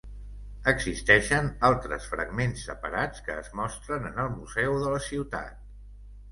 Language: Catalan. Existeixen altres fragments separats que es mostren en el museu de la ciutat.